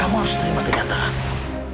kamu harus terima kenyataan